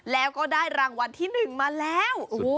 แล้วก็ได้รางวัลที่๑มาแล้ว